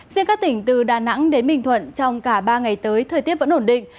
riêng các tỉnh từ đà nẵng đến bình thuận trong cả ba ngày tới thời tiết vẫn ổn định